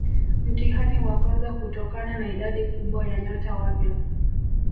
Mtihani wa kwanza kutokana na idadi kubwa ya nyota wapya